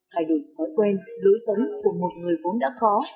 thay đổi thói quen đối xấu của một người vốn đã khó